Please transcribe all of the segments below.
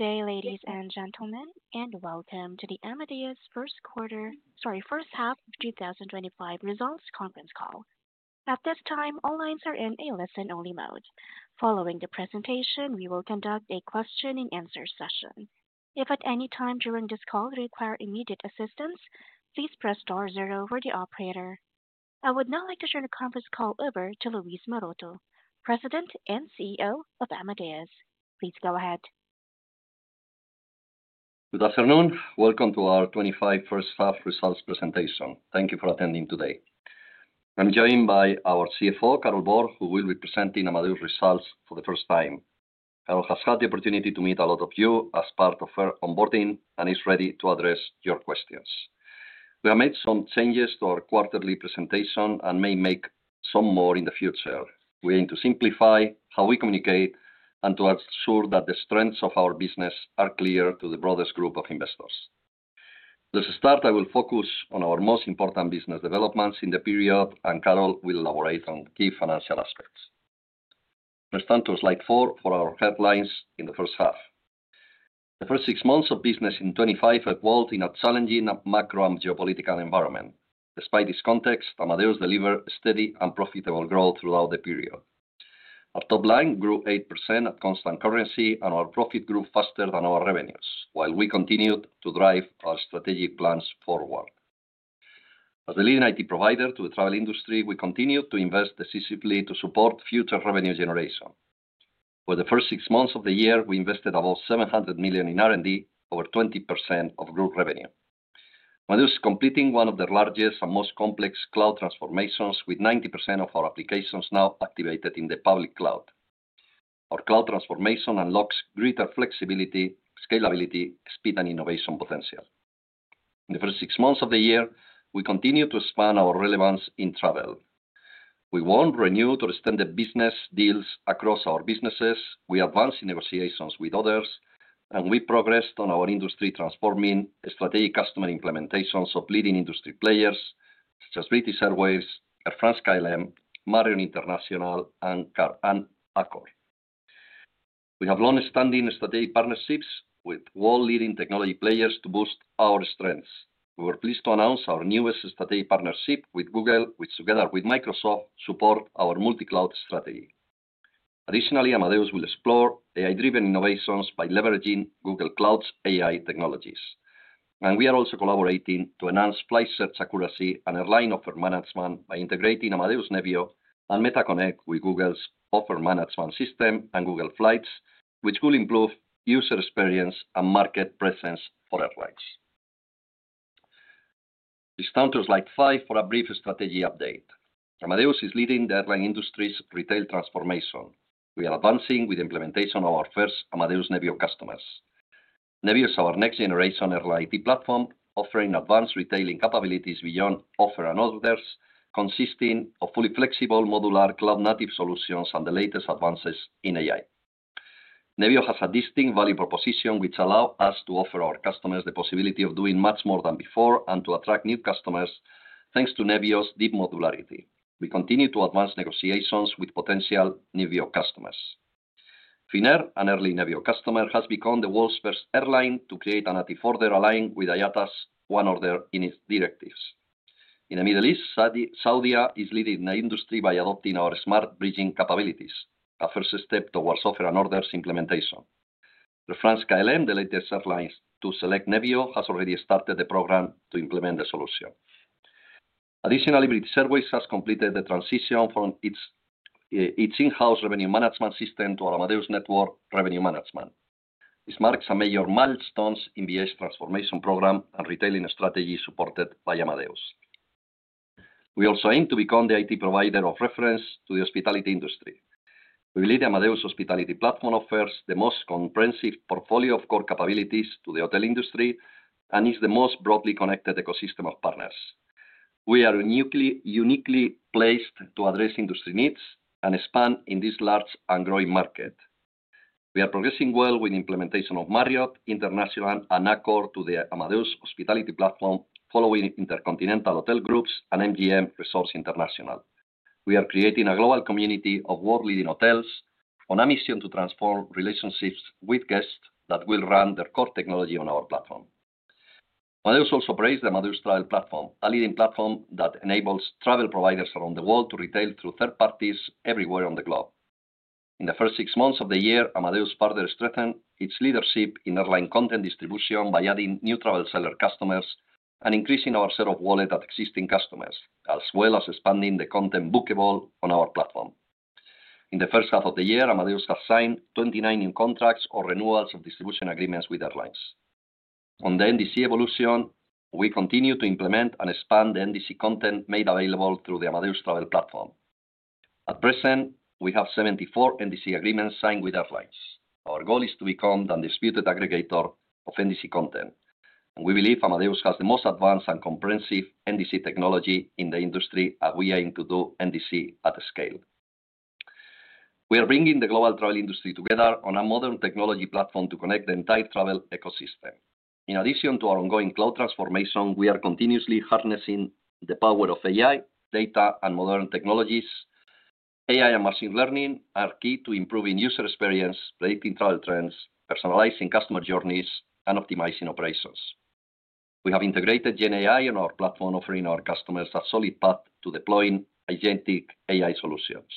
Good day, ladies and gentlemen, and welcome to the Amadeus First Half of 2025 Results Conference Call. At this time, all lines are in a listen-only mode. Following the presentation, we will conduct a question-and-answer session. If at any time during this call you require immediate assistance, please press star zero for the operator. I would now like to turn the conference call over to Luis Maroto, President and CEO of Amadeus. Please go ahead. Good afternoon. Welcome to our2025 First Half Results Presentation. Thank you for attending today. I'm joined by our CFO, Carol Borg, who will be presenting Amadeus Results for the first time. Carol has had the opportunity to meet a lot of you as part of her onboarding and is ready to address your questions. We have made some changes to our quarterly presentation and may make some more in the future. We aim to simplify how we communicate and to ensure that the strengths of our business are clear to the broader group of investors. To start, I will focus on our most important business developments in the period, and Carol will elaborate on key financial aspects. Let's turn to slide four for our headlines in the first half. The first six months of business in 2025 evolved in a challenging macro and geopolitical environment. Despite this context, Amadeus delivered steady and profitable growth throughout the period. Our top line grew 8% at constant currency, and our profit grew faster than our revenues, while we continued to drive our strategic plans forward. As the leading IT provider to the travel industry, we continued to invest decisively to support future revenue generation. For the first six months of the year, we invested about $700 million in R&D, over 20% of group revenue. Amadeus is completing one of the largest and most complex cloud transformations, with 90% of our applications now activated in the public cloud. Our cloud transformation unlocks greater flexibility, scalability, speed, and innovation potential. In the first six months of the year, we continued to expand our relevance in travel. We won or renewed or extended business deals across our businesses. We advanced in negotiations with others, and we progressed on our industry-transforming strategic customer implementations of leading industry players such as British Airways, Air France-KLM, Marriott International, and Accor. We have long-standing strategic partnerships with world-leading technology players to boost our strengths. We were pleased to announce our newest strategic partnership with Google, which, together with Microsoft, supports our multi-cloud strategy. Additionally, Amadeus will explore AI-driven innovations by leveraging Google Cloud's AI technologies. We are also collaborating to enhance flight search accuracy and airline offer management by integrating Amadeus Nevio and MetaConnect with Google's offer management system and Google Flights, which will improve user experience and market presence for airlines. Let's turn to slide five for a brief strategy update. Amadeus is leading the airline industry's retail transformation. We are advancing with the implementation of our first Amadeus Nevio customers. Nevio is our next-generation airline IT platform, offering advanced retailing capabilities beyond offer and orders, consisting of fully flexible, modular, cloud-native solutions and the latest advances in AI. Nevio has a distinct value proposition, which allows us to offer our customers the possibility of doing much more than before and to attract new customers thanks to Nevio's deep modularity. We continue to advance negotiations with potential Nevio customers. Finnair, an early Nevio customer, has become the world's first airline to create an IT forwarder aligned with IATA's One Order in its directives. In the Middle East, Saudi Arabia is leading the industry by adopting our smart bridging capabilities, a first step towards offer and orders implementation. Air France-KLM, the latest airline to select Nevio, has already started the program to implement the solution. Additionally, British Airways has completed the transition from its in-house revenue management system to our Amadeus network revenue management. This marks a major milestone in British Airways' transformation program and retailing strategy supported by Amadeus. We also aim to become the IT provider of reference to the hospitality industry. We believe Amadeus' hospitality platform offers the most comprehensive portfolio of core capabilities to the hotel industry and is the most broadly connected ecosystem of partners. We are uniquely placed to address industry needs and expand in this large and growing market. We are progressing well with the implementation of Marriott International and Accor to the Amadeus hospitality platform, following Intercontinental Hotel Group and MGM Resorts International. We are creating a global community of world-leading hotels on a mission to transform relationships with guests that will run their core technology on our platform. Amadeus also operates the Amadeus Travel Platform, a leading platform that enables travel providers around the world to retail through third parties everywhere on the globe. In the first six months of the year, Amadeus further strengthened its leadership in airline content distribution by adding new travel seller customers and increasing our share of wallet at existing customers, as well as expanding the content bookable on our platform. In the first half of the year, Amadeus has signed 29 new contracts or renewals of distribution agreements with airlines. On the NDC evolution, we continue to implement and expand the NDC content made available through the Amadeus Travel Platform. At present, we have 74 NDC agreements signed with airlines. Our goal is to become the undisputed aggregator of NDC content. We believe Amadeus has the most advanced and comprehensive NDC technology in the industry as we aim to do NDC at scale. We are bringing the global travel industry together on a modern technology platform to connect the entire travel ecosystem. In addition to our ongoing cloud transformation, we are continuously harnessing the power of AI, data, and modern technologies. AI and machine learning are key to improving user experience, predicting travel trends, personalizing customer journeys, and optimizing operations. We have integrated GenAI on our platform, offering our customers a solid path to deploying agentic AI solutions.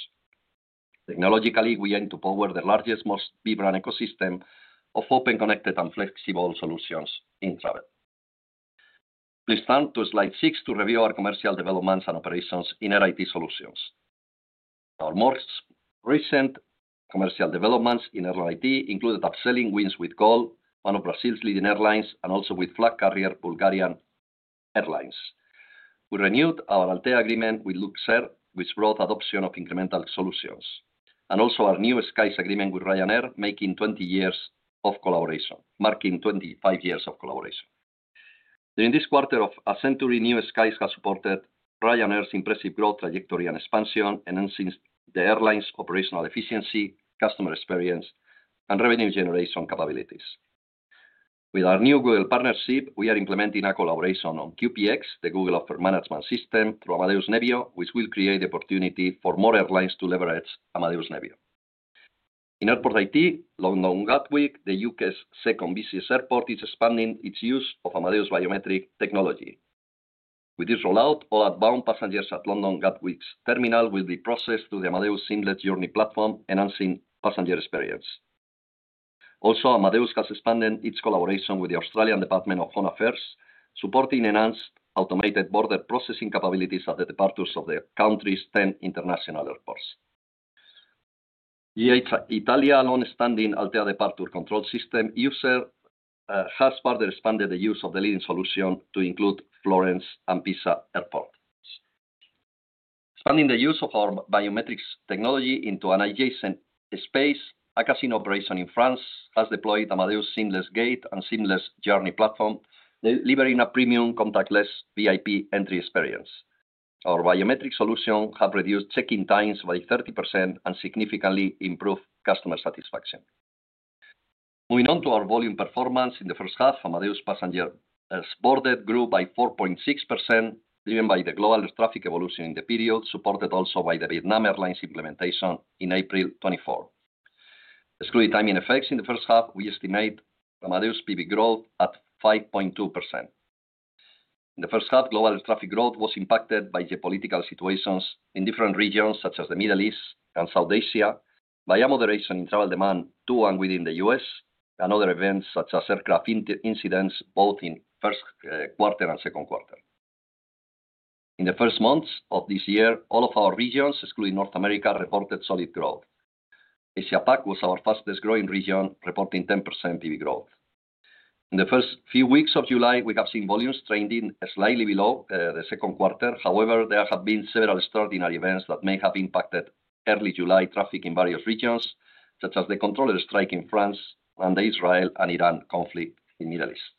Technologically, we aim to power the largest, most vibrant ecosystem of open, connected, and flexible solutions in travel. Please turn to slide six to review our commercial developments and operations in Airline IT Solutions. Our most recent commercial developments in airline IT include upselling wings with GOL, one of Brazil's leading airlines, and also with Flight Carrier Bulgarian Airlines. We renewed our Altea agreement with Luxair, which brought adoption of incremental solutions, and also our new Skies agreement with Ryanair, marking 25 years of collaboration. During this quarter, a century-new Skies has supported Ryanair's impressive growth trajectory and expansion, enhancing the airline's operational efficiency, customer experience, and revenue generation capabilities. With our new Google partnership, we are implementing a collaboration on QPX, the Google offer management system, through Amadeus Nevio, which will create the opportunity for more airlines to leverage Amadeus Nevio. In airport IT, London Gatwick, the UK's second busiest airport, is expanding its use of Amadeus biometric technology. With this rollout, all outbound passengers at London Gatwick's terminal will be processed through the Amadeus Seamless Journey platform, enhancing passenger experience. Also, Amadeus has expanded its collaboration with the Australian Department of Home Affairs, supporting enhanced automated border processing capabilities at the departures of the country's 10 international airports. The Italian long-standing Altea departure control system user has further expanded the use of the leading solution to include Florence and Pisa airports. Expanding the use of our biometrics technology into an adjacent space, a casino operation in France has deployed Amadeus Seamless Gate and Seamless Journey platform, delivering a premium contactless VIP entry experience. Our biometric solution has reduced check-in times by 30% and significantly improved customer satisfaction. Moving on to our volume performance in the first half, Amadeus passengers boarded grew by 4.6%, driven by the global air traffic evolution in the period, supported also by the Vietnam Airlines implementation in April 2024. Excluding timing effects, in the first half, we estimate Amadeus PB growth at 5.2%. In the first half, global air traffic growth was impacted by geopolitical situations in different regions such as the Middle East and South Asia, via moderation in travel demand to and within the U.S., and other events such as aircraft incidents both in the first quarter and second quarter. In the first months of this year, all of our regions, excluding North America, reported solid growth. Asia-Pac was our fastest-growing region, reporting 10% PB growth. In the first few weeks of July, we have seen volumes trending slightly below the 2nd quarter. However, there have been several extraordinary events that may have impacted early July traffic in various regions, such as the controllers strike in France and the Israel and Iran conflict in the Middle East.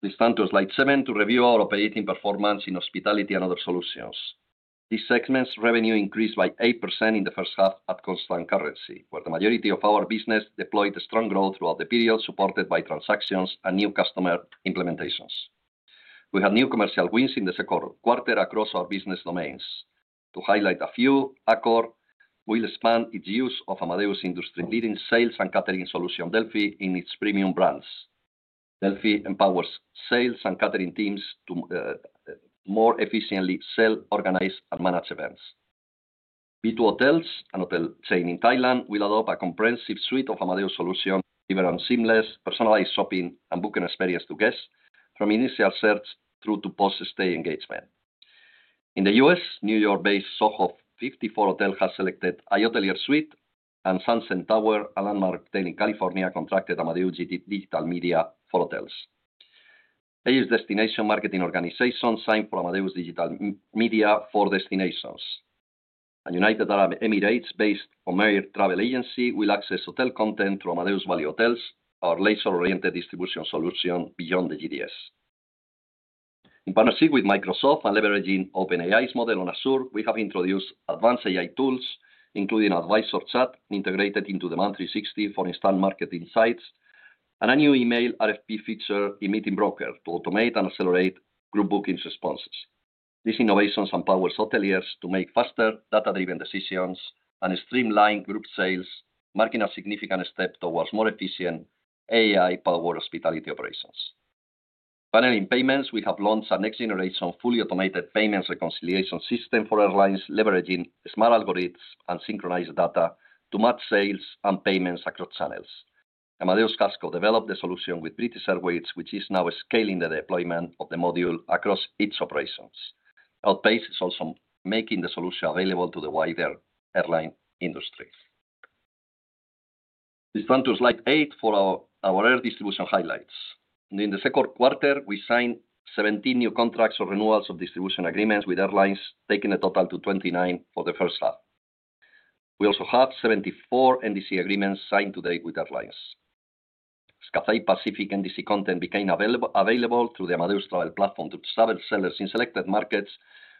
Please turn to slide seven to review our operating performance in Hospitality and Other Solutions. This segment's revenue increased by 8% in the first half at constant currency, where the majority of our business deployed strong growth throughout the period, supported by transactions and new customer implementations. We had new commercial wins in the 2nd quarter across our business domains. To highlight a few, Accor will expand its use of Amadeus industry-leading sales and catering solution, Delphi, in its premium brands. Delphi empowers sales and catering teams to more efficiently sell, organize, and manage events. B2 Hotels and hotel chain in Thailand will adopt a comprehensive suite of Amadeus solutions, delivering seamless, personalized shopping and booking experience to guests from initial search through to post-stay engagement. In the U.S., New York-based Soho 54 Hotels have selected iHotelier Suite, and Sunset Tower, a landmark hotel in California, contracted Amadeus Digital Media for hotels. AU Destination Marketing Organization signed for Amadeus Digital Media for destinations. In United Arab Emirates, Marriott Travel Agency will access hotel content through Amadeus Valley Hotels, our laser-oriented distribution solution beyond the GDS. In partnership with Microsoft and leveraging OpenAI's model on Azure, we have introduced advanced AI tools, including Advisor Chat, integrated into the Mantri 60 for instant marketing sites, and a new email RFP feature in Meeting Broker to automate and accelerate group bookings responses. These innovations empower hoteliers to make faster data-driven decisions and streamline group sales, marking a significant step towards more efficient AI-powered hospitality operations. Finally, in payments, we have launched a next-generation fully automated payments reconciliation system for airlines, leveraging smart algorithms and synchronized data to match sales and payments across channels. Amadeus CASCO developed the solution with British Airways, which is now scaling the deployment of the module across its operations. Amadeus is also making the solution available to the wider airline industry. Please turn to slide eight for our air distribution highlights. In the 2nd quarter, we signed 17 new contracts or renewals of distribution agreements with airlines, taking the total to 29 for the first half. We also have 74 NDC agreements signed to date with airlines. As Cathay Pacific NDC content became available through the Amadeus Travel Platform to travel sellers in selected markets,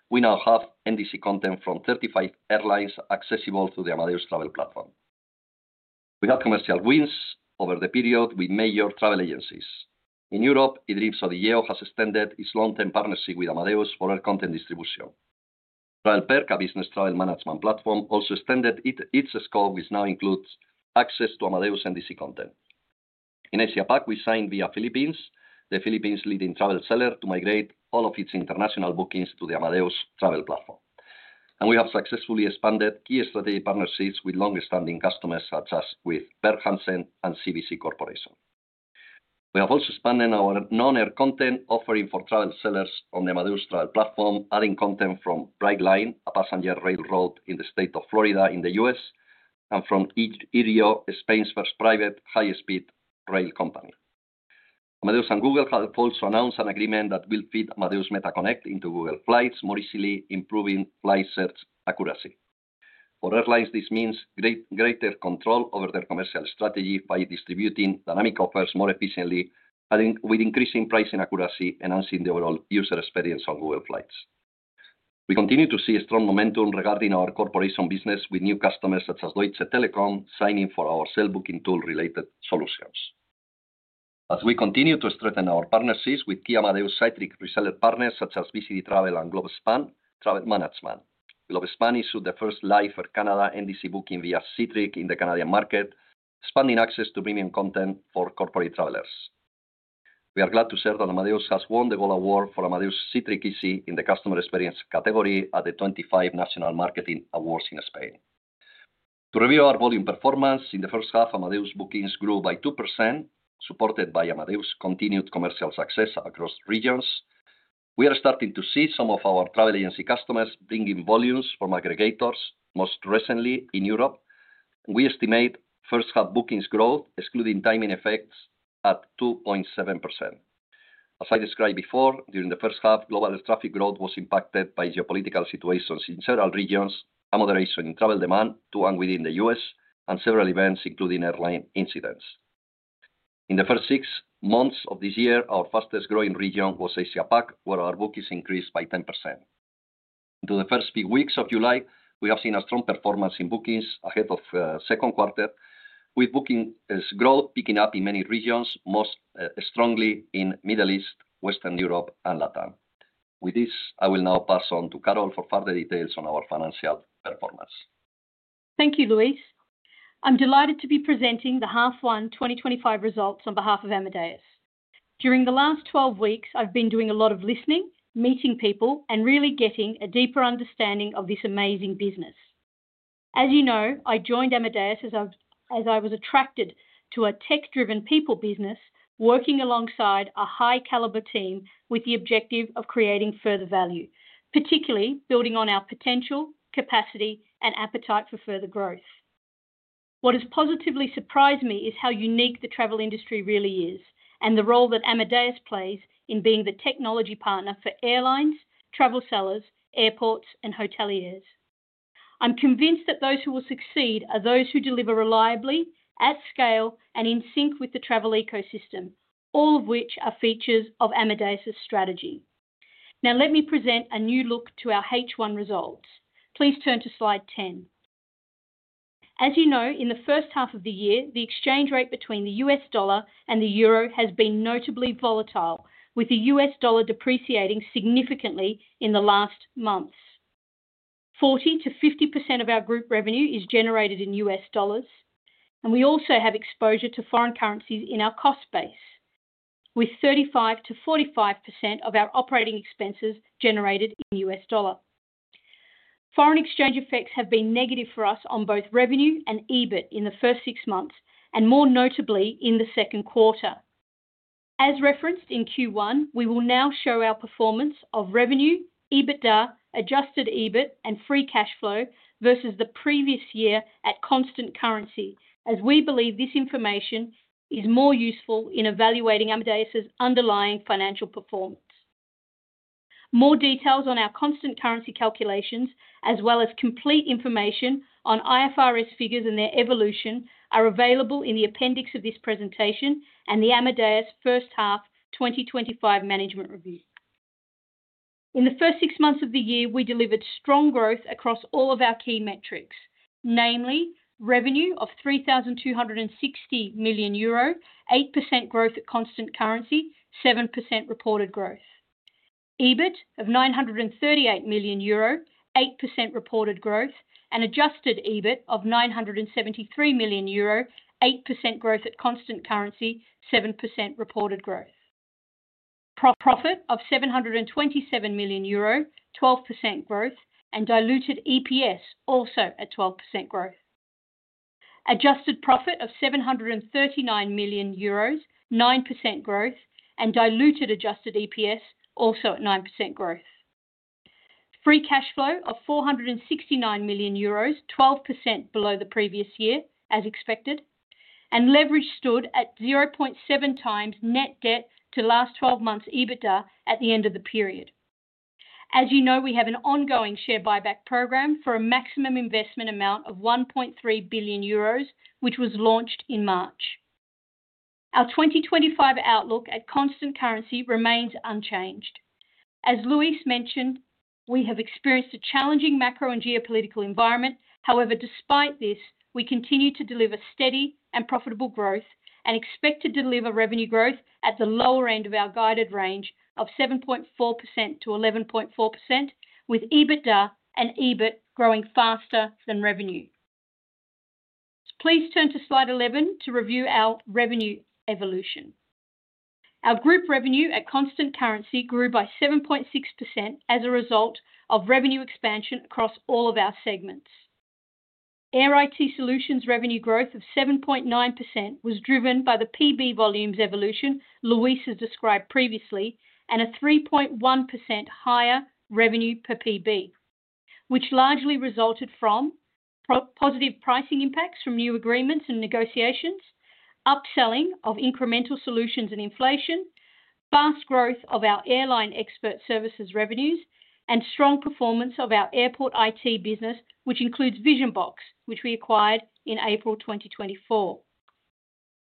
we now have NDC content from 35 airlines accessible through the Amadeus Travel Platform. We have commercial wins over the period with major travel agencies. In Europe, [Idriza DiGio] has extended its long-term partnership with Amadeus for air content distribution. TravelPerk, a business travel management platform, also extended its scope which now includes access to Amadeus NDC content. In Asia-Pac, we signed Via Philippines, the Philippines' leading travel seller, to migrate all of its international bookings to the Amadeus Travel Platform. We have successfully expanded key strategic partnerships with long-standing customers such as with [Berth Hansen] and CBC Corporation. We have also expanded our non-air content offering for travel sellers on the Amadeus Travel Platform, adding content from Brightline, a passenger railroad in the state of Florida in the U.S., and from IRIO, Spain's first private high-speed rail company. Amadeus and Google have also announced an agreement that will feed Amadeus MetaConnect into Google Flights, more easily improving flight search accuracy. For airlines, this means greater control over their commercial strategy by distributing dynamic offers more efficiently, with increasing pricing accuracy enhancing the overall user experience on Google Flights. We continue to see a strong momentum regarding our corporation business with new customers such as Deutsche Telekom, signing for our cell booking tool-related solutions. As we continue to strengthen our partnerships with key Amadeus Cytric reseller partners such as BCD Travel and GlobeSpan Travel Management, GlobeSpan issued the first live-for-Canada NDC booking via Cytric in the Canadian market, expanding access to premium content for corporate travelers. We are glad to share that Amadeus has won the Gold Award for Amadeus Cytric Easy in the Customer Experience category at the 2025 National Marketing Awards in Spain. To review our volume performance, in the first half, Amadeus bookings grew by 2%, supported by Amadeus' continued commercial success across regions. We are starting to see some of our travel agency customers bringing volumes from aggregators, most recently in Europe. We estimate first-half bookings growth, excluding timing effects, at 2.7%. As I described before, during the first half, global air traffic growth was impacted by geopolitical situations in several regions, a moderation in travel demand to and within the U.S., and several events, including airline incidents. In the first six months of this year, our fastest-growing region was Asia-Pac, where our bookings increased by 10%. Into the first few weeks of July, we have seen a strong performance in bookings ahead of the 2nd quarter, with bookings growth picking up in many regions, most strongly in the Middle East, Western Europe, and LatAm. With this, I will now pass on to Carol for further details on our financial performance. Thank you, Luis. I'm delighted to be presenting the half-one 2025 results on behalf of Amadeus. During the last 12 weeks, I've been doing a lot of listening, meeting people, and really getting a deeper understanding of this amazing business. As you know, I joined Amadeus as I was attracted to a tech-driven people business, working alongside a high-caliber team with the objective of creating further value, particularly building on our potential, capacity, and appetite for further growth. What has positively surprised me is how unique the travel industry really is and the role that Amadeus plays in being the technology partner for airlines, travel sellers, airports, and hoteliers. I'm convinced that those who will succeed are those who deliver reliably, at scale, and in sync with the travel ecosystem, all of which are features of Amadeus' strategy. Now, let me present a new look to our H1 results. Please turn to slide 10. As you know, in the first half of the year, the exchange rate between the U.S. dollar and the euro has been notably volatile, with the U.S. dollar depreciating significantly in the last months. 40%-50% of our group revenue is generated in U.S. dollars, and we also have exposure to foreign currencies in our cost base, with 35%-45% of our operating expenses generated in U.S. dollar. Foreign exchange effects have been negative for us on both revenue and EBIT in the first six months, and more notably in the 2nd quarter. As referenced in Q1, we will now show our performance of revenue, EBITDA, adjusted EBIT, and free cash flow versus the previous year at constant currency, as we believe this information is more useful in evaluating Amadeus' underlying financial performance. More details on our constant currency calculations, as well as complete information on IFRS figures and their evolution, are available in the appendix of this presentation and the Amadeus first half 2025 management review. In the first six months of the year, we delivered strong growth across all of our key metrics, namely revenue of 3,260 million euro, 8% growth at constant currency, 7% reported growth. EBIT of 938 million euro, 8% reported growth, and adjusted EBIT of 973 million euro, 8% growth at constant currency, 7% reported growth. Profit of 727 million euro, 12% growth, and diluted EPS also at 12% growth. Adjusted profit of 739 million euros, 9% growth, and diluted adjusted EPS also at 9% growth. Free cash flow of 469 million euros, 12% below the previous year, as expected, and leverage stood at 0.7 times net debt to last 12 months EBITDA at the end of the period. As you know, we have an ongoing share buyback program for a maximum investment amount of 1.3 billion euros, which was launched in March. Our 2025 outlook at constant currency remains unchanged. As Luis mentioned, we have experienced a challenging macro and geopolitical environment. However, despite this, we continue to deliver steady and profitable growth and expect to deliver revenue growth at the lower end of our guided range of 7.4%-11.4%, with EBITDA and EBIT growing faster than revenue. Please turn to slide 11 to review our revenue evolution. Our group revenue at constant currency grew by 7.6% as a result of revenue expansion across all of our segments. Airline IT Solutions' revenue growth of 7.9% was driven by the PB volumes evolution Luis has described previously and a 3.1% higher revenue per PB, which largely resulted from positive pricing impacts from new agreements and negotiations, upselling of incremental solutions and inflation, fast growth of our airline expert services revenues, and strong performance of our airport IT business, which includes Vision-Box, which we acquired in April 2024.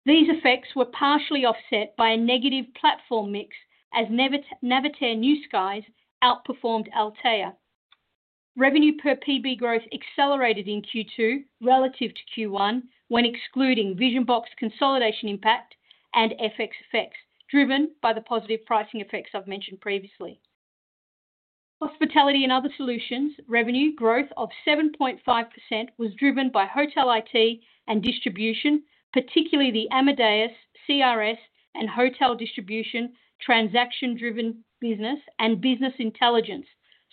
These effects were partially offset by a negative platform mix, as Navitaire New Skies outperformed Altéa. Revenue per PB growth accelerated in Q2 relative to Q1 when excluding Vision-Box consolidation impact and FX effects driven by the positive pricing effects I've mentioned previously. Hospitality and Other Solutions' revenue growth of 7.5% was driven by hotel IT and distribution, particularly the Amadeus CRS and hotel distribution transaction-driven business and business intelligence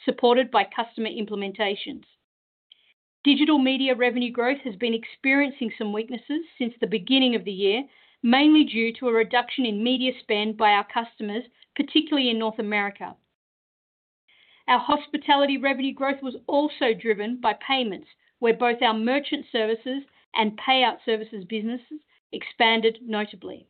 supported by customer implementations. Digital media revenue growth has been experiencing some weaknesses since the beginning of the year, mainly due to a reduction in media spend by our customers, particularly in North America. Our hospitality revenue growth was also driven by payments, where both our merchant services and payout services businesses expanded notably.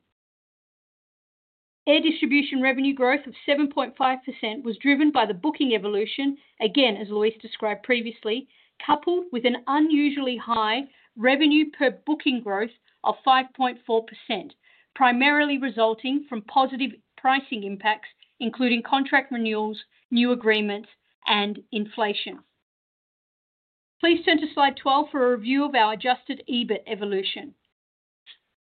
Air Distribution revenue growth of 7.5% was driven by the booking evolution, again, as Luis described previously, coupled with an unusually high revenue per booking growth of 5.4%, primarily resulting from positive pricing impacts, including contract renewals, new agreements, and inflation. Please turn to slide 12 for a review of our adjusted EBIT evolution.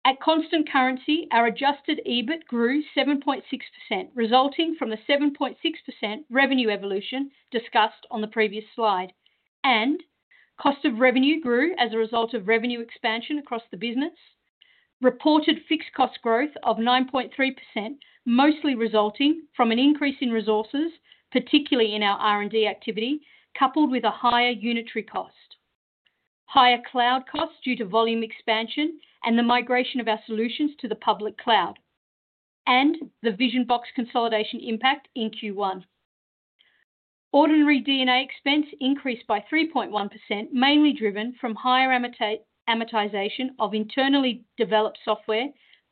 At constant currency, our adjusted EBIT grew 7.6%, resulting from the 7.6% revenue evolution discussed on the previous slide. Cost of revenue grew as a result of revenue expansion across the business. Reported fixed cost growth of 9.3%, mostly resulting from an increase in resources, particularly in our R&D activity, coupled with a higher unitary cost. Higher cloud costs due to volume expansion and the migration of our solutions to the public cloud, and the Vision-Box consolidation impact in Q1. Ordinary D&A expense increased by 3.1%, mainly driven from higher amortization of internally developed software,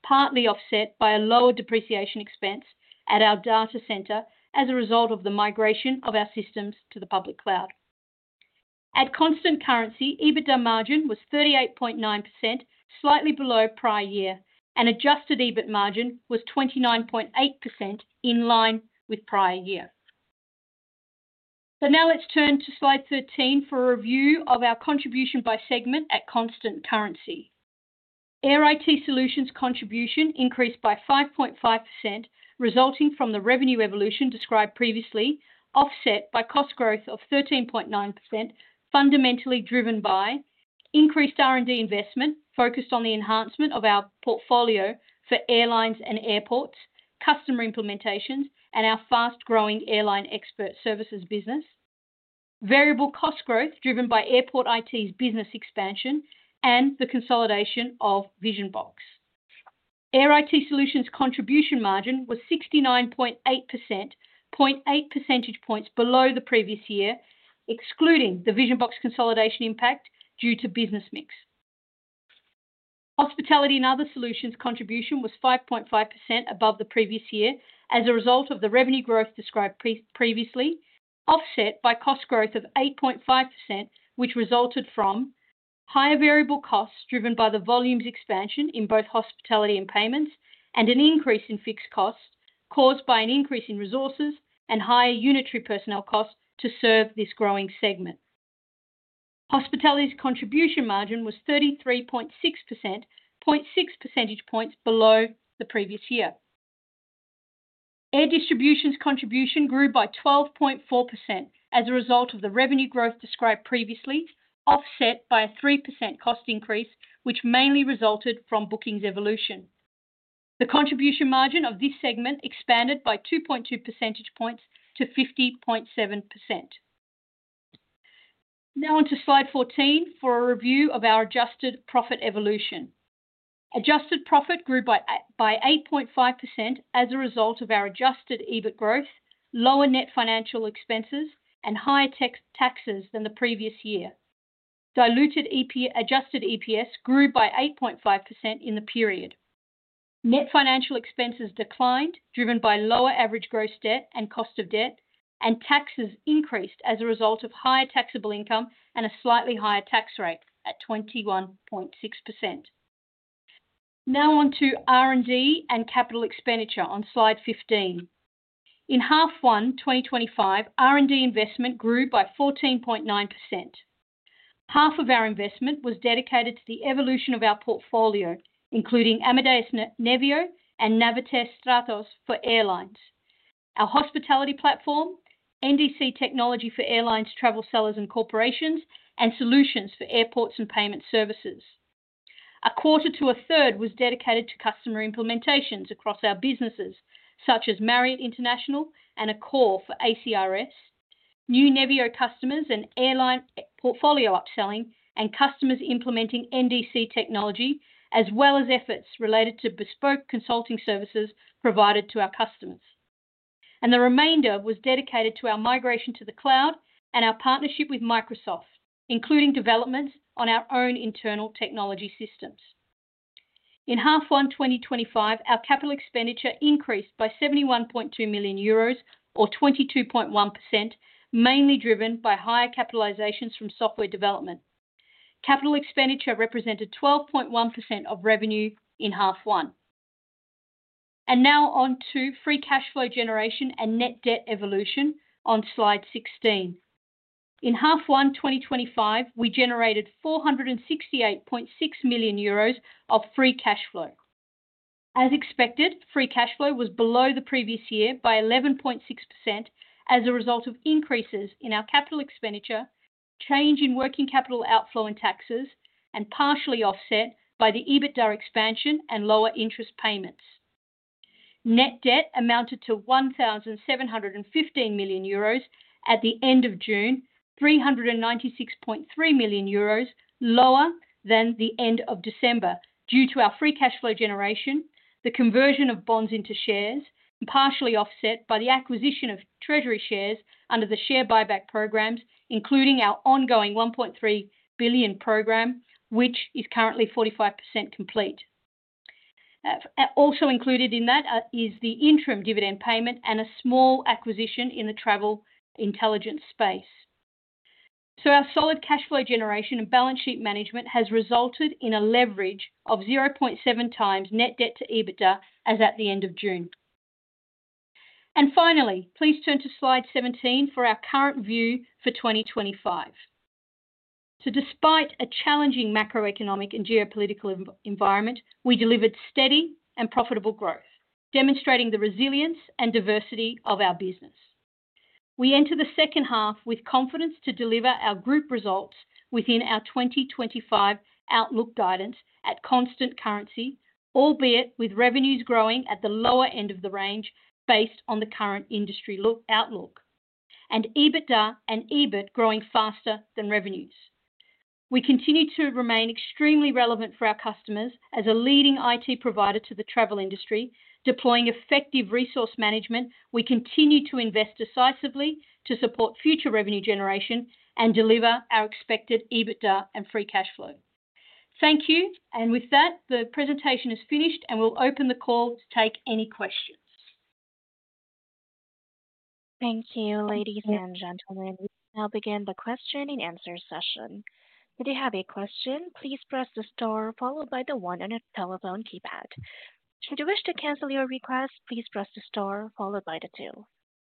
partly offset by a lower depreciation expense at our data center as a result of the migration of our systems to the public cloud. At constant currency, EBITDA margin was 38.9%, slightly below prior year, and adjusted EBIT margin was 29.8% in line with prior year. Now let's turn to slide 13 for a review of our contribution by segment at constant currency. Airline IT Solutions' contribution increased by 5.5%, resulting from the revenue evolution described previously, offset by cost growth of 13.9%, fundamentally driven by increased R&D investment focused on the enhancement of our portfolio for airlines and airports, customer implementations, and our fast-growing airline expert services business. Variable cost growth driven by Airport IT's business expansion and the consolidation of Vision-Box. Airline IT Solutions' contribution margin was 69.8%, 0.8 percentage points below the previous year, excluding the Vision-Box consolidation impact due to business mix. Hospitality and Other Solutions' contribution was 5.5% above the previous year as a result of the revenue growth described previously, offset by cost growth of 8.5%, which resulted from higher variable costs driven by the volumes expansion in both hospitality and payments, and an increase in fixed costs caused by an increase in resources and higher unitary personnel costs to serve this growing segment. Hospitality's contribution margin was 33.6%, 0.6 percentage points below the previous year. Air Distribution's contribution grew by 12.4% as a result of the revenue growth described previously, offset by a 3% cost increase, which mainly resulted from bookings evolution. The contribution margin of this segment expanded by 2.2 percentage points to 50.7%. Now on to slide 14 for a review of our adjusted profit evolution. Adjusted profit grew by 8.5% as a result of our adjusted EBIT growth, lower net financial expenses, and higher taxes than the previous year. Diluted adjusted EPS grew by 8.5% in the period. Net financial expenses declined, driven by lower average gross debt and cost of debt, and taxes increased as a result of higher taxable income and a slightly higher tax rate at 21.6%. Now on to R&D and capital expenditure on slide 15. In half-one 2025, R&D investment grew by 14.9%. Half of our investment was dedicated to the evolution of our portfolio, including Amadeus Nevio and Navitaire Stratos for airlines, our hospitality platform, NDC technology for airlines, travel sellers, and corporations, and solutions for airports and payment services. A quarter to a third was dedicated to customer implementations across our businesses, such as Marriott International and Accor for ACRS, new Nevio customers and airline portfolio upselling, and customers implementing NDC technology, as well as efforts related to bespoke consulting services provided to our customers. The remainder was dedicated to our migration to the cloud and our partnership with Microsoft, including developments on our own internal technology systems. In half-one 2025, our capital expenditure increased by 71.2 million euros, or 22.1%, mainly driven by higher capitalizations from software development. Capital expenditure represented 12.1% of revenue in half-one. Now on to free cash flow generation and net debt evolution on slide 16. In half-one 2025, we generated 468.6 million euros of free cash flow. As expected, free cash flow was below the previous year by 11.6% as a result of increases in our capital expenditure, change in working capital outflow and taxes, and partially offset by the EBITDA expansion and lower interest payments. Net debt amounted to 1,715 million euros at the end of June, 396.3 million euros lower than the end of December due to our free cash flow generation, the conversion of bonds into shares, and partially offset by the acquisition of treasury shares under the share buyback programs, including our ongoing 1.3 billion program, which is currently 45% complete. Also included in that is the interim dividend payment and a small acquisition in the travel intelligence space. Our solid cash flow generation and balance sheet management has resulted in a leverage of 0.7 times net debt to EBITDA as at the end of June. Finally, please turn to slide 17 for our current view for 2025. Despite a challenging macroeconomic and geopolitical environment, we delivered steady and profitable growth, demonstrating the resilience and diversity of our business. We enter the second half with confidence to deliver our group results within our 2025 outlook guidance at constant currency, albeit with revenues growing at the lower end of the range based on the current industry outlook and EBITDA and EBIT growing faster than revenues. We continue to remain extremely relevant for our customers as a leading IT provider to the travel industry, deploying effective resource management. We continue to invest decisively to support future revenue generation and deliver our expected EBITDA and free cash flow. Thank you. With that, the presentation is finished, and we'll open the call to take any questions. Thank you, ladies and gentlemen. We will now begin the question and answer session. If you have a question, please press the star followed by the one on your telephone keypad. Should you wish to cancel your request, please press the star followed by the two.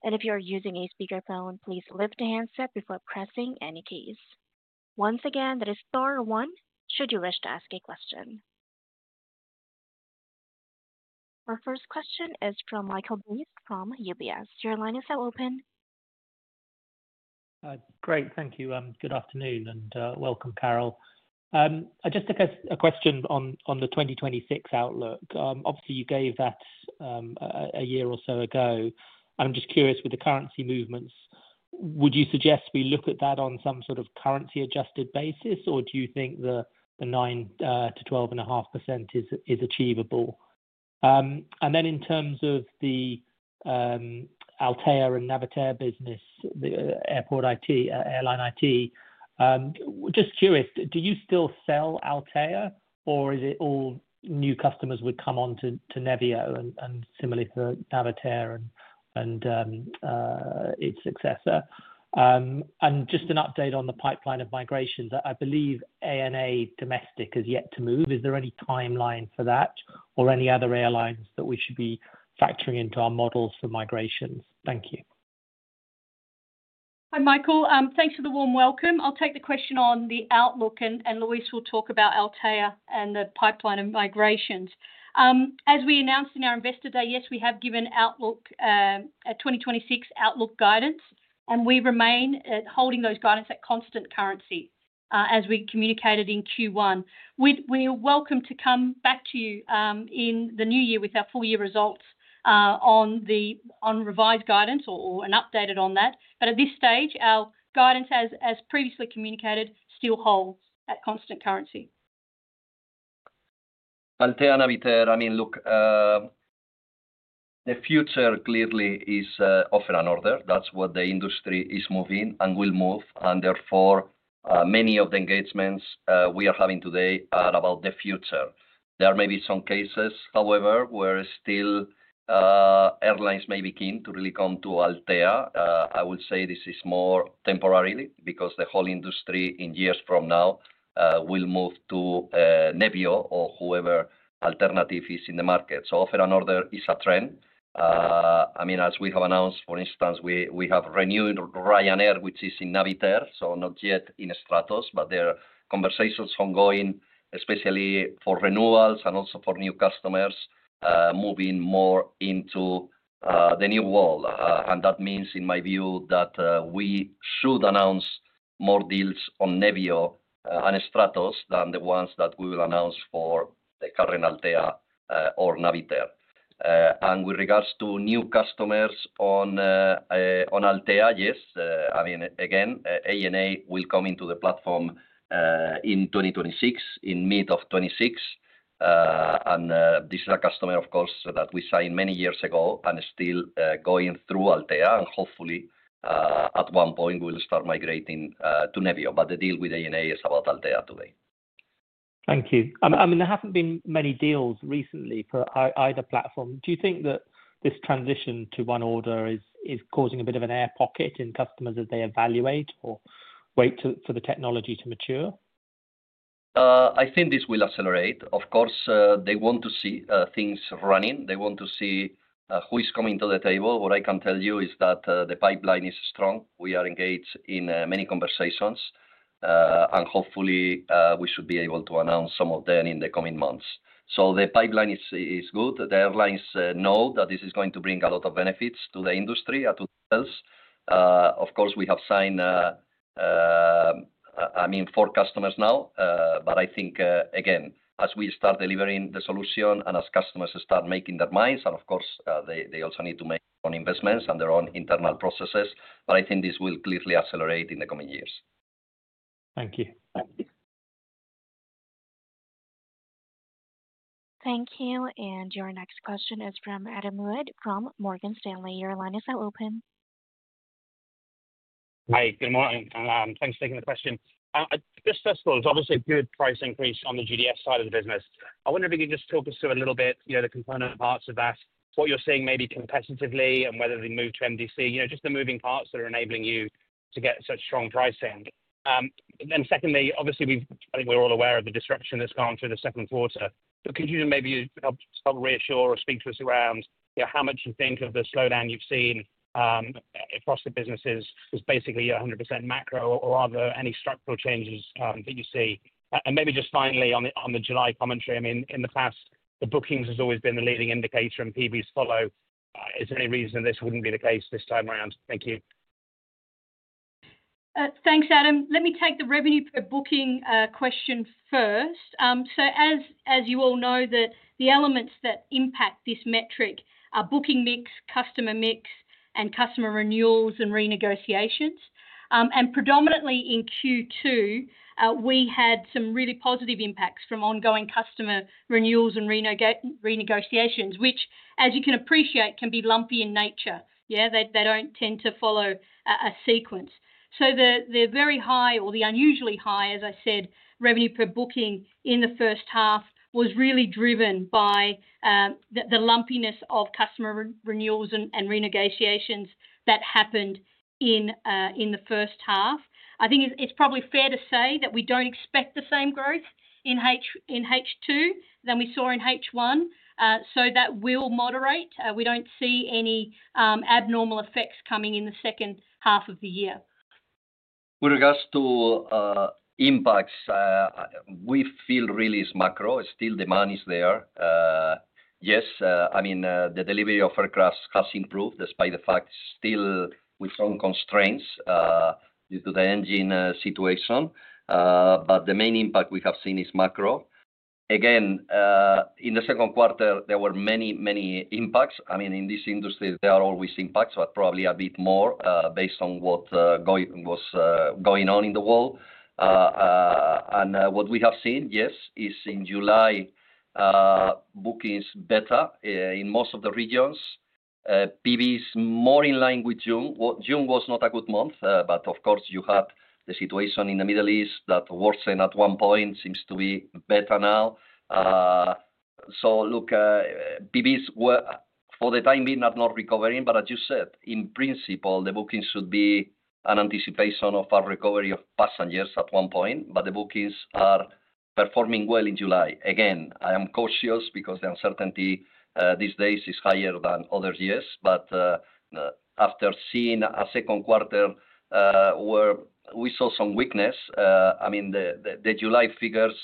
If you are using a speakerphone, please lift the handset before pressing any keys. Once again, that is star one should you wish to ask a question. Our first question is from Michael Briest from UBS. Your line is now open. Great, thank you. Good afternoon and welcome, Carol. I just have a question on the 2026 outlook. Obviously, you gave that a year or so ago. I'm just curious, with the currency movements, would you suggest we look at that on some sort of currency-adjusted basis, or do you think the 9%-12.5% is achievable? In terms of the Altéa and Navitaire business, Airport IT, Airline IT, just curious, do you still sell Altéa, or is it all new customers would come on to Nevio and similarly for Navitaire and its successor? An update on the pipeline of migrations, I believe ANA domestic has yet to move. Is there any timeline for that or any other airlines that we should be factoring into our models for migrations? Thank you. Hi, Michael. Thanks for the warm welcome. I'll take the question on the outlook, and Luis will talk about Altéa and the pipeline of migrations. As we announced in our investor day, yes, we have given outlook, a 2026 outlook guidance, and we remain holding those guidance at constant currency as we communicated in Q1. We're welcome to come back to you in the new year with our full year results on the revised guidance or an update on that. At this stage, our guidance, as previously communicated, still holds at constant currency. Altea, Navitaire, I mean, look, the future clearly is offer and order. That's what the industry is moving and will move. Therefore, many of the engagements we are having today are about the future. There may be some cases, however, where still airlines may be keen to really come to Altea. I would say this is more temporary because the whole industry in years from now will move to Nevio or whoever alternative is in the market. Offer and order is a trend. As we have announced, for instance, we have renewed Ryanair, which is in Navitaire, so not yet in Stratos, but there are conversations ongoing, especially for renewals and also for new customers moving more into the new world. That means, in my view, that we should announce more deals on Nevio and Stratos than the ones that we will announce for the current Altea or Navitaire. With regards to new customers on Altea, yes, I mean, again, ANA will come into the platform in 2026, in mid of '26. This is a customer, of course, that we signed many years ago and is still going through Altea. Hopefully, at one point, we will start migrating to Nevio. The deal with ANA is about Altea today. Thank you. There haven't been many deals recently for either platform. Do you think that this transition to one order is causing a bit of an air pocket in customers as they evaluate or wait for the technology to mature? I think this will accelerate. Of course, they want to see things running. They want to see who is coming to the table. What I can tell you is that the pipeline is strong. We are engaged in many conversations. Hopefully, we should be able to announce some of them in the coming months. The pipeline is good. The airlines know that this is going to bring a lot of benefits to the industry and to themselves. Of course, we have signed four customers now. I think, again, as we start delivering the solution and as customers start making their minds, and of course, they also need to make their own investments and their own internal processes, but I think this will clearly accelerate in the coming years. Thank you. Thank you. Your next question is from Adam Wood from Morgan Stanley. Your line is now open. Hi, good morning. Thanks for taking the question. First of all, there's obviously a good price increase on the GDS side of the business. I wonder if you could just talk us through a little bit the component parts of that, what you're seeing maybe competitively and whether they move to NDC, just the moving parts that are enabling you to get such strong pricing. Secondly, obviously, I think we're all aware of the disruption that's gone through the 2nd quarter. Could you maybe help reassure or speak to us around how much you think of the slowdown you've seen across the businesses is basically 100% macro, or are there any structural changes that you see? Maybe just finally on the July commentary, I mean, in the past, the bookings have always been the leading indicator, and PBs follow. Is there any reason this wouldn't be the case this time around? Thank you. Thanks, Adam. Let me take the revenue per booking question first. As you all know, the elements that impact this metric are booking mix, customer mix, and customer renewals and renegotiations. Predominantly in Q2, we had some really positive impacts from ongoing customer renewals and renegotiations, which, as you can appreciate, can be lumpy in nature. They don't tend to follow a sequence. The very high, or the unusually high, as I said, revenue per booking in the first half was really driven by the lumpiness of customer renewals and renegotiations that happened in the first half. I think it's probably fair to say that we don't expect the same growth in H2 that we saw in H1, so that will moderate. We don't see any abnormal effects coming in the second half of the year. With regards to impacts, we feel really it's macro. Still, demand is there. Yes, I mean, the delivery of aircraft has improved despite the fact still with some constraints due to the engine situation. The main impact we have seen is macro. Again, in the 2nd quarter, there were many, many impacts. In this industry, there are always impacts, but probably a bit more based on what was going on in the world. What we have seen, yes, is in July, bookings are better in most of the regions. PBs are more in line with June. June was not a good month, but of course, you had the situation in the Middle East that worsened at one point, seems to be better now. Look, PBs for the time being are not recovering, but as you said, in principle, the bookings should be an anticipation of a recovery of passengers at one point, but the bookings are performing well in July. Again, I am cautious because the uncertainty these days is higher than other years, but after seeing a 2nd quarter where we saw some weakness, I mean, the July figures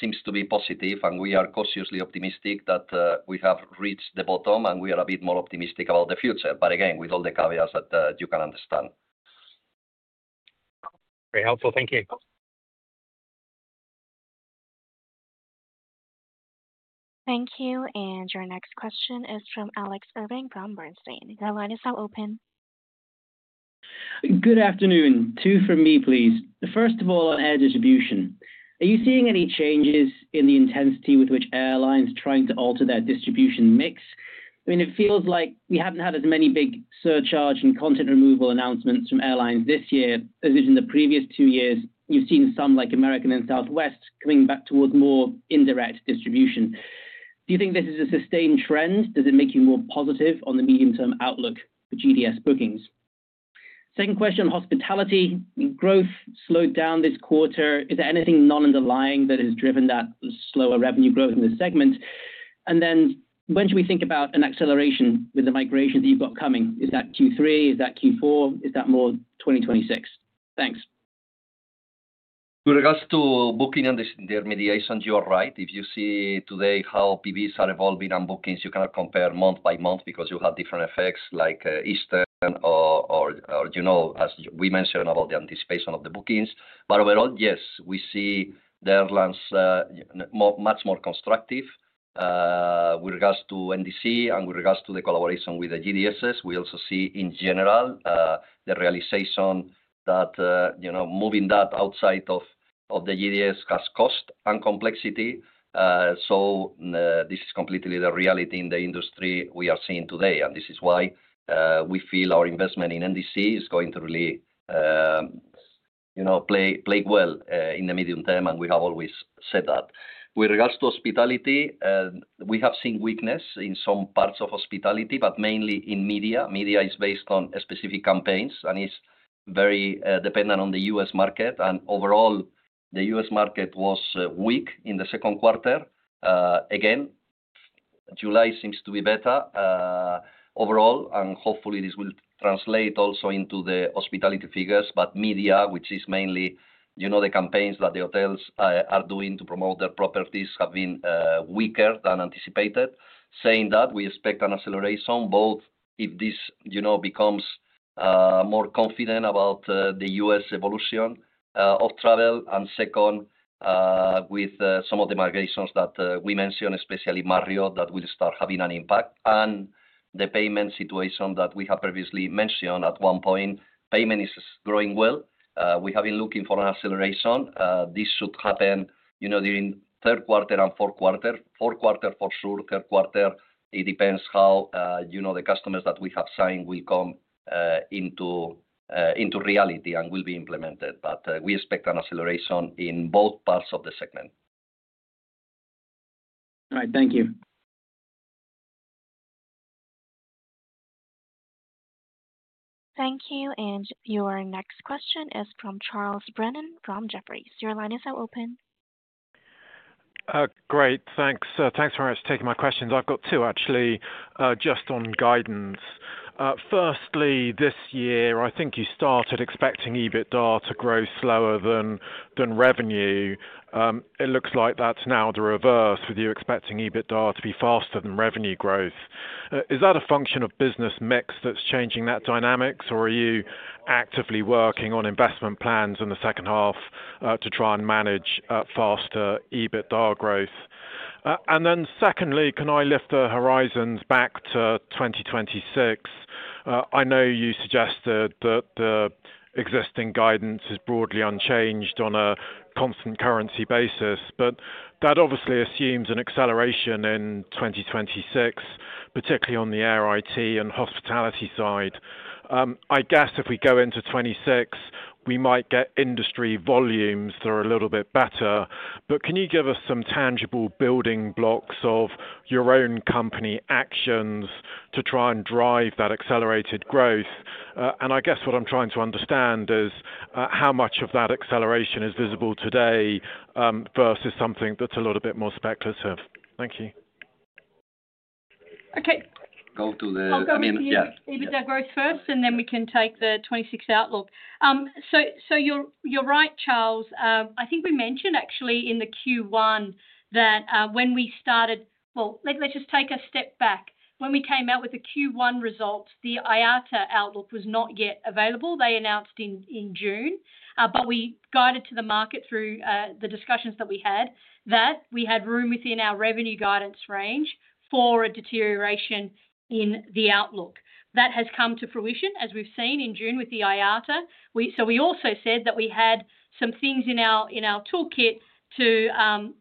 seem to be positive, and we are cautiously optimistic that we have reached the bottom and we are a bit more optimistic about the future. Again, with all the caveats that you can understand. Very helpful. Thank you. Thank you. Your next question is from Alex Irving from Bernstein. Your line is now open. Good afternoon. Two for me, please. First of all, on Air Distribution, are you seeing any changes in the intensity with which airlines are trying to alter their distribution mix? I mean, it feels like we haven't had as many big surcharge and content removal announcements from airlines this year as in the previous two years. You've seen some like American and Southwest coming back towards more indirect distribution. Do you think this is a sustained trend? Does it make you more positive on the medium-term outlook for GDS distribution bookings? Second question on Hospitality. Growth slowed down this quarter. Is there anything non-underlying that has driven that slower revenue growth in the segment? When should we think about an acceleration with the migration that you've got coming? Is that Q3? Is that Q4? Is that more 2026? Thanks. With regards to booking and disintermediation, you're right. If you see today how PBs are evolving on bookings, you cannot compare month by month because you have different effects like Eastern or, as we mentioned, about the anticipation of the bookings. Overall, yes, we see the airlines much more constructive with regards to NDC and with regards to the collaboration with the GDSs. We also see in general the realization that moving that outside of the GDS has cost and complexity. This is completely the reality in the industry we are seeing today. This is why we feel our investment in NDC is going to really play well in the medium term, and we have always said that. With regards to Hospitality, we have seen weakness in some parts of Hospitality, but mainly in media. Media is based on specific campaigns and is very dependent on the U.S. market. Overall, the U.S. market was weak in the 2nd quarter. Again, July seems to be better overall, and hopefully, this will translate also into the Hospitality figures. Media, which is mainly the campaigns that the hotels are doing to promote their properties, have been weaker than anticipated, saying that we expect an acceleration both if this becomes more confident about the U.S. evolution of travel and, second, with some of the migrations that we mentioned, especially Marriott, that will start having an impact. The payment situation that we have previously mentioned at one point, payment is growing well. We have been looking for an acceleration. This should happen during 3rd quarter and 4th quarter. 4th quarter for sure, 3rd quarter, it depends how the customers that we have signed will come into reality and will be implemented. We expect an acceleration in both parts of the segment. All right. Thank you. Thank you. Your next question is from Charles Brennan from Jefferies. Your line is now open. Great. Thanks for taking my questions. I've got two, actually, just on guidance. Firstly, this year, I think you started expecting EBITDA to grow slower than revenue. It looks like that's now the reverse with you expecting EBITDA to be faster than revenue growth. Is that a function of business mix that's changing that dynamic, or are you actively working on investment plans in the second half to try and manage faster EBITDA growth? Secondly, can I lift the horizons back to 2026? I know you suggested that the existing guidance is broadly unchanged on a constant currency basis, but that obviously assumes an acceleration in 2026, particularly on the Air IT and Hospitality side. I guess if we go into 2026, we might get industry volumes that are a little bit better. Can you give us some tangible building blocks of your own company actions to try and drive that accelerated growth? I guess what I'm trying to understand is how much of that acceleration is visible today versus something that's a little bit more speculative. Thank you. Okay. I'll go to the EBITDA growth first, and then we can take the 2026 outlook. You're right, Charles. I think we mentioned actually in the Q1 that when we started—let's just take a step back. When we came out with the Q1 results, the IATA outlook was not yet available. They announced in June, but we guided to the market through the discussions that we had that we had room within our revenue guidance range for a deterioration in the outlook. That has come to fruition, as we've seen in June with the IATA. We also said that we had some things in our toolkit to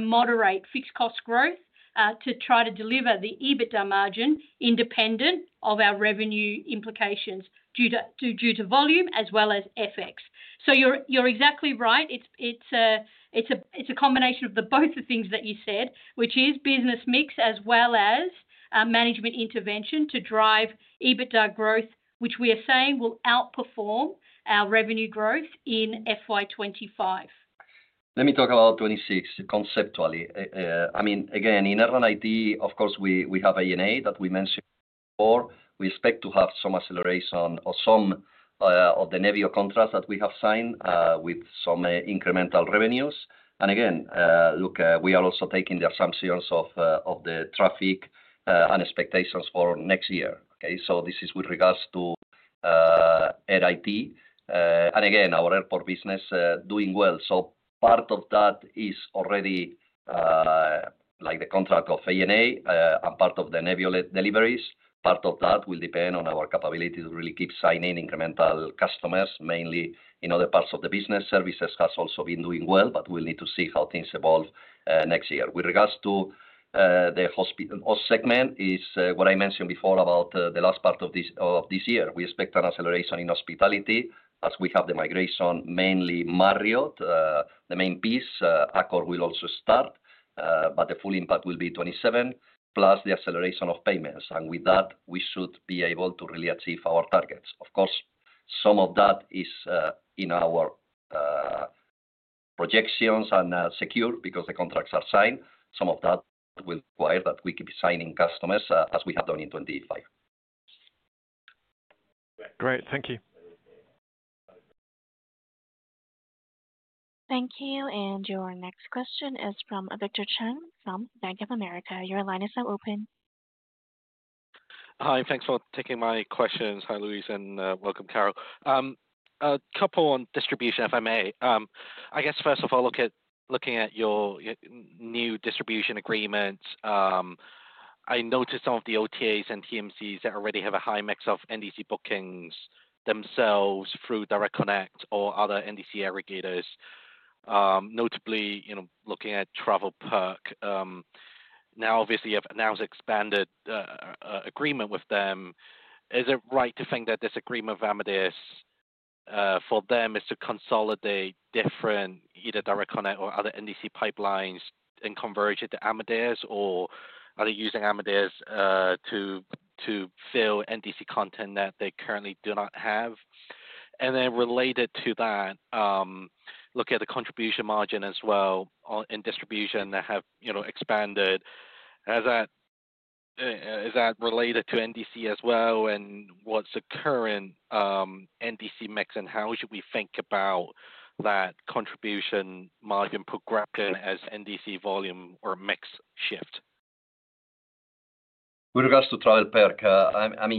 moderate fixed cost growth to try to deliver the EBITDA margin independent of our revenue implications due to volume as well as FX. You're exactly right. It's a combination of both the things that you said, which is business mix as well as management intervention to drive EBITDA growth, which we are saying will outperform our revenue growth in FY25. Let me talk about 2026 conceptually. Again, in Airline IT, of course, we have ANA that we mentioned before. We expect to have some acceleration or some of the Nevio contracts that we have signed with some incremental revenues. Again, look, we are also taking the assumptions of the traffic and expectations for next year. This is with regards to Air IT. Again, our airport business is doing well. Part of that is already like the contract of ANA and part of the Nevio deliveries. Part of that will depend on our capability to really keep signing incremental customers, mainly in other parts of the business. Services has also been doing well, but we'll need to see how things evolve next year. With regards to the hospitality segment, it's what I mentioned before about the last part of this year. We expect an acceleration in Hospitality as we have the migration, mainly Marriott, the main piece. Accor will also start, but the full impact will be 2027 plus the acceleration of payments. With that, we should be able to really achieve our targets. Of course, some of that is in our projections and secure because the contracts are signed. Some of that will require that we keep signing customers as we have done in 2025. Thank you. Thank you. Your next question is from Victor Cheng from Bank of America. Your line is now open. Hi. Thanks for taking my questions, hi, Luis, and welcome, Carol. A couple on distribution, if I may. I guess, first of all, looking at your new distribution agreements. I noticed some of the OTAs and TMCs that already have a high mix of NDC bookings themselves through Direct Connect or other NDC aggregators. Notably, looking at TravelPerk. Now, obviously, you have now an expanded agreement with them. Is it right to think that this agreement of Amadeus for them is to consolidate different either Direct Connect or other NDC pipelines and converge it to Amadeus, or are they using Amadeus to fill NDC content that they currently do not have? Related to that. Look at the contribution margin as well in distribution that have expanded. Is that related to NDC as well? What's the current NDC mix? How should we think about that contribution margin progression as NDC volume or mix shift? With regards to TravelPerk,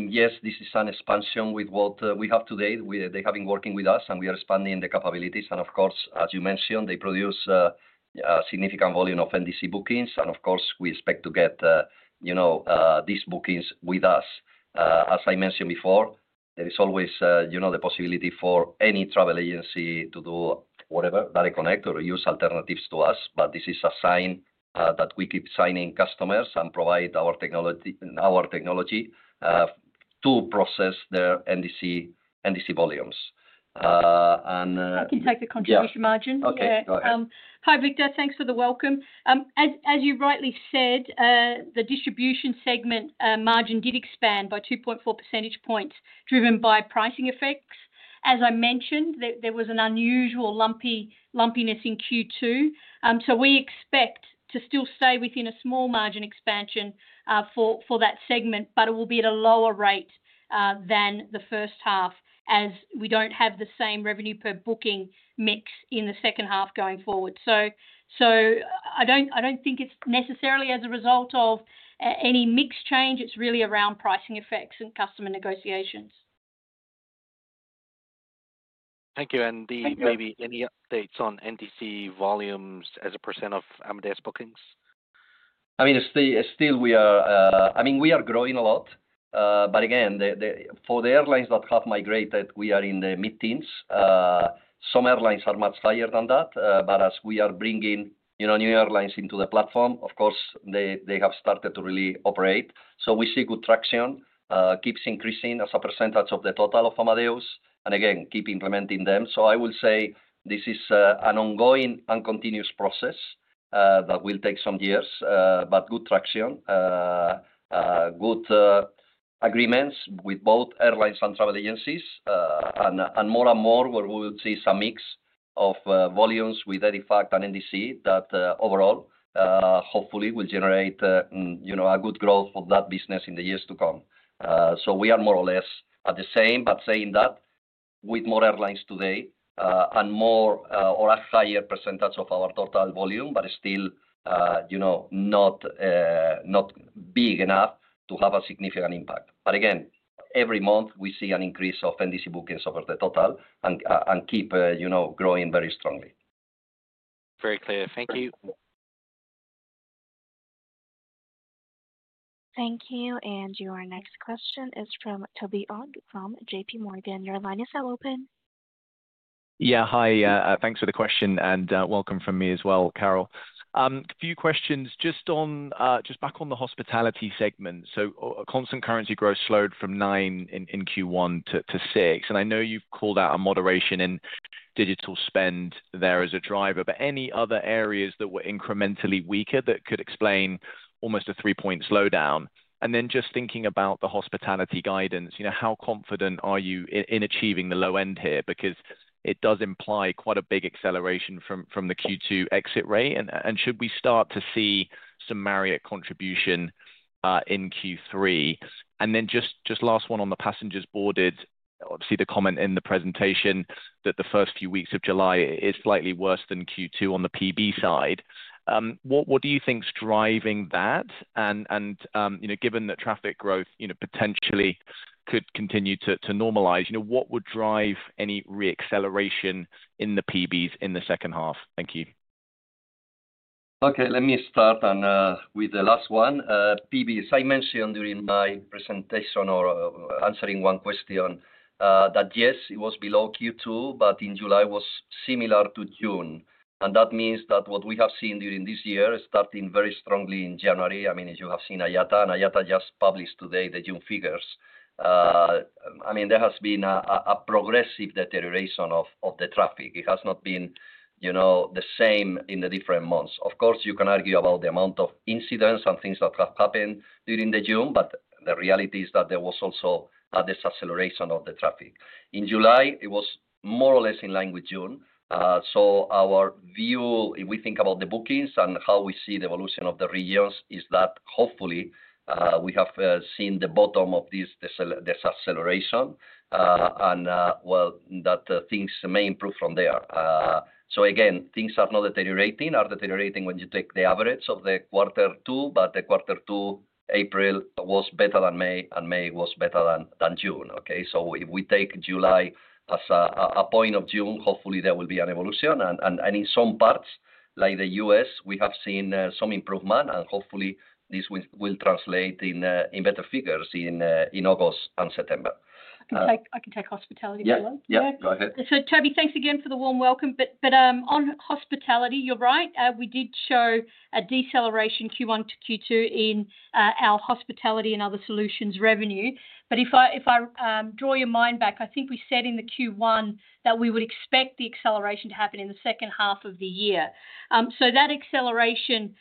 yes, this is an expansion with what we have today. They have been working with us, and we are expanding the capabilities. Of course, as you mentioned, they produce a significant volume of NDC bookings. We expect to get these bookings with us. As I mentioned before, there is always the possibility for any travel agency to do whatever, Direct Connect, or use alternatives to us. This is a sign that we keep signing customers and provide our technology to process their NDC volumes. I can take the contribution margin. Okay. Go ahead. Hi, Victor. Thanks for the welcome. As you rightly said, the distribution segment margin did expand by 2.4 percentage points driven by pricing effects. As I mentioned, there was an unusual lumpiness in Q2. We expect to still stay within a small margin expansion for that segment, but it will be at a lower rate than the first half as we don't have the same revenue per booking mix in the second half going forward. I don't think it's necessarily as a result of any mix change. It's really around pricing effects and customer negotiations. Thank you. Maybe any updates on NDC volumes as a percent of Amadeus bookings? Still, we are growing a lot. For the airlines that have migrated, we are in the mid-teens. Some airlines are much higher than that. As we are bringing new airlines into the platform, they have started to really operate. We see good traction, keeps increasing as a percent of the total of Amadeus. Keep implementing them. This is an ongoing and continuous process that will take some years, but good traction. Good agreements with both airlines and travel agencies. More and more we will see some mix of volumes with EDIFACT and NDC that overall hopefully will generate a good growth for that business in the years to come. We are more or less at the same, but saying that with more airlines today and a higher percent of our total volume, but still not big enough to have a significant impact. Every month we see an increase of NDC bookings over the total and keep growing very strongly. Very clear. Thank you. Thank you. Your next question is from Toby Ogg from J.P. Morgan. Your line is now open. Hi. Thanks for the question. Welcome from me as well, Carol. A few questions. Back on the Hospitality segment. Constant currency growth slowed from 9% in Q1 to 6%. I know you've called out a moderation in digital spend there as a driver, but any other areas that were incrementally weaker that could explain almost a three-point slowdown? Just thinking about the hospitality guidance, how confident are you in achieving the low end here? It does imply quite a big acceleration from the Q2 exit rate. Should we start to see some Marriott contribution in Q3? Last one on the passengers boarded, obviously the comment in the presentation that the first few weeks of July is slightly worse than Q2 on the PB side. What do you think is driving that? Given that traffic growth potentially could continue to normalize, what would drive any re-acceleration in the PBs in the second half? Thank you. Let me start with the last one. PBs, I mentioned during my presentation or answering one question that yes, it was below Q2, but in July was similar to June. That means that what we have seen during this year is starting very strongly in January. As you have seen, IATA just published today the June figures. There has been a progressive deterioration of the traffic. It has not been the same in the different months. Of course, you can argue about the amount of incidents and things that have happened during June, but the reality is that there was also a disacceleration of the traffic. In July, it was more or less in line with June. Our view, if we think about the bookings and how we see the evolution of the regions, is that hopefully we have seen the bottom of this disacceleration. Things may improve from there. Things are not deteriorating. They are deteriorating when you take the average of quarter two, but in quarter two, April was better than May, and May was better than June. If we take July as a point of June, hopefully there will be an evolution. In some parts, like the U.S., we have seen some improvement, and hopefully this will translate in better figures in August and September. I can take hospitality as well. Go ahead. Toby, thanks again for the warm welcome. On hospitality, you're right. We did show a deceleration Q1 to Q2 in our Hospitality and Other Solutions revenue. If I draw your mind back, I think we said in Q1 that we would expect the acceleration to happen in the second half of the year. That acceleration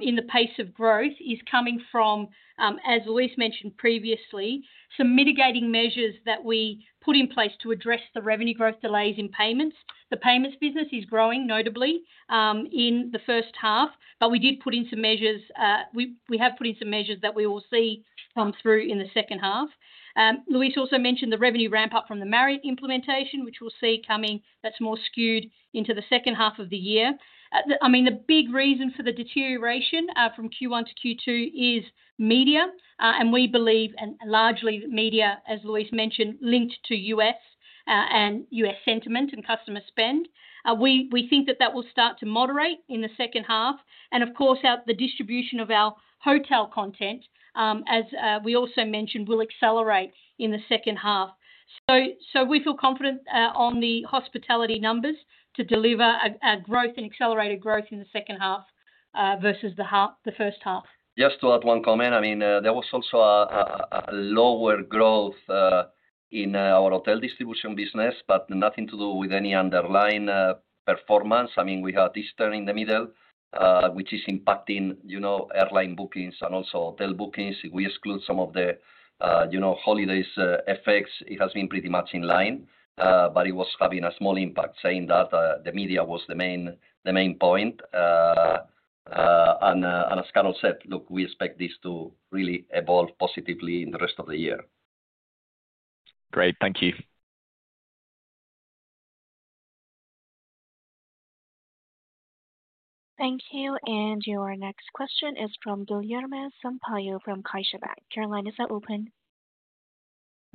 in the pace of growth is coming from, as Luis mentioned previously, some mitigating measures that we put in place to address the revenue growth delays in payments. The payments business is growing notably in the first half, but we did put in some measures. We have put in some measures that we will see come through in the second half. Luis also mentioned the revenue ramp-up from the Marriott implementation, which we'll see coming. That's more skewed into the second half of the year. The big reason for the deterioration from Q1 to Q2 is media, and we believe, and largely media, as Luis mentioned, linked to U.S. and U.S. sentiment and customer spend. We think that will start to moderate in the second half. Of course, the distribution of our hotel content, as we also mentioned, will accelerate in the second half. We feel confident on the hospitality numbers to deliver a growth and accelerated growth in the second half versus the first half. Just to add one comment, there was also a lower growth in our hotel distribution business, but nothing to do with any underlying performance. We have this turn in the middle, which is impacting airline bookings and also hotel bookings. If we exclude some of the holidays effects, it has been pretty much in line, but it was having a small impact, saying that the media was the main point. As Carol said, look, we expect this to really evolve positively in the rest of the year. Great. Thank you. Thank you. Your next question is from Guilherme Sampaio from CaixaBank. Your line is now open.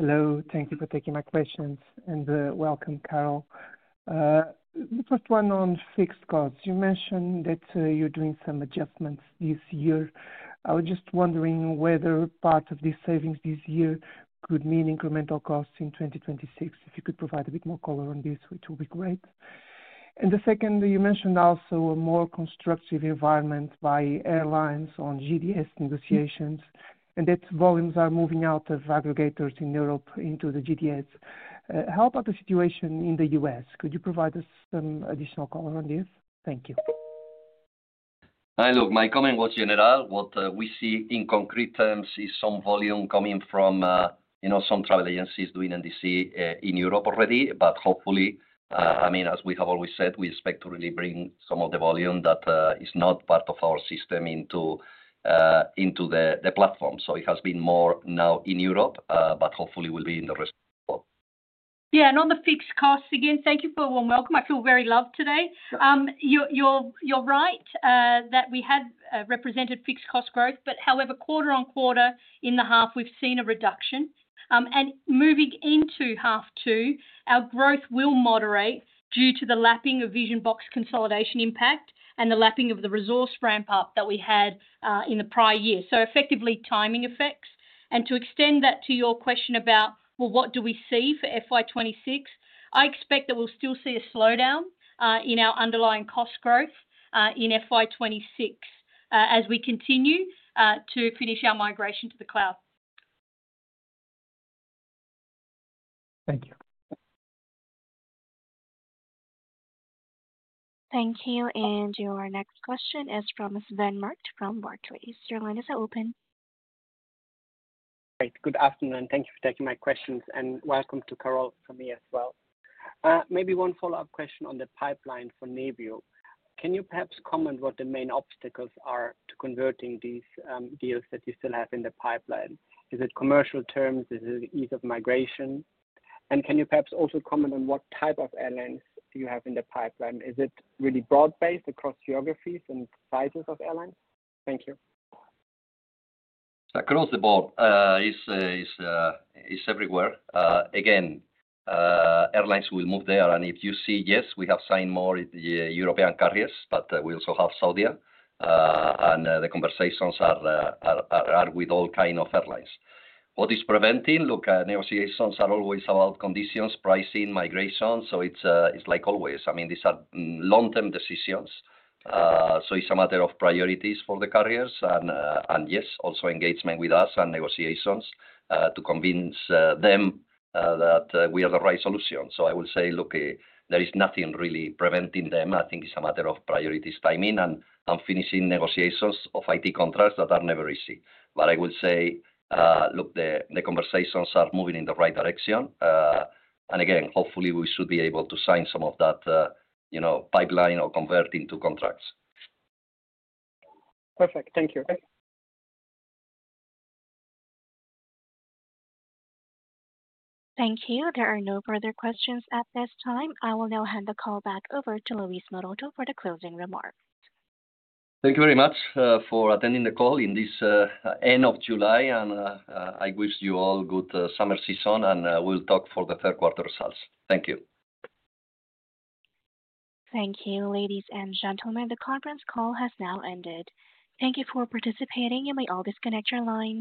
Hello. Thank you for taking my questions, and welcome, Carol. The first one on fixed costs. You mentioned that you're doing some adjustments this year. I was just wondering whether part of these savings this year could mean incremental costs in 2026. If you could provide a bit more color on this, which would be great. The second, you mentioned also a more constructive environment by airlines on GDS negotiations, and that volumes are moving out of aggregators in Europe into the GDS. How about the situation in the U.S.? Could you provide us some additional color on this? Thank you. Hi. Look, my comment was general. What we see in concrete terms is some volume coming from some travel agencies doing NDC in Europe already. Hopefully, as we have always said, we expect to really bring some of the volume that is not part of our system into the platform. It has been more now in Europe, but hopefully will be in the rest of the world. Yeah. On the fixed costs again, thank you for the warm welcome. I feel very loved today. You're right that we had represented fixed cost growth, however, quarter-on-quarter in the half, we've seen a reduction. Moving into half two, our growth will moderate due to the lapping of Vision-Box consolidation impact and the lapping of the resource ramp-up that we had in the prior year. Effectively, timing effects. To extend that to your question about what do we see for FY2026, I expect that we'll still see a slowdown in our underlying cost growth in FY2026 as we continue to finish our migration to the cloud. Thank you. Thank you. Your next question is from Sven Merkt from Barclays. Caroline, is that open? Great. Good afternoon. Thank you for taking my questions. Welcome to Carol from me as well. Maybe one follow-up question on the pipeline for Nevio. Can you perhaps comment on what the main obstacles are to converting these deals that you still have in the pipeline? Is it commercial terms? Is it ease of migration? Can you perhaps also comment on what type of airlines you have in the pipeline? Is it really broad-based across geographies and sizes of airlines? Thank you. Across the board, it's everywhere. Airlines will move there. If you see, yes, we have signed more European carriers, but we also have Saudia. The conversations are with all kinds of airlines. What is preventing? Look, negotiations are always about conditions, pricing, migration. These are long-term decisions. It's a matter of priorities for the carriers. Yes, also engagement with us and negotiations to convince them that we are the right solution. I will say, look, there is nothing really preventing them. I think it's a matter of priorities, timing, and finishing negotiations of IT contracts that are never easy. I will say, look, the conversations are moving in the right direction. Hopefully, we should be able to sign some of that pipeline or convert into contracts. Perfect. Thank you. Thank you. There are no further questions at this time. I will now hand the call back over to Luis Maroto for the closing remarks. Thank you very much for attending the call in this end of July. I wish you all a good summer season, and we'll talk for the 3rd quarter results. Thank you. Thank you, ladies and gentlemen. The conference call has now ended. Thank you for participating. You may all disconnect your lines.